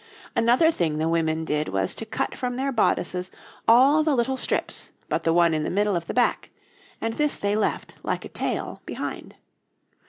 Another thing the women did was to cut from their bodices all the little strips but the one in the middle of the back, and this they left, like a tail, behind.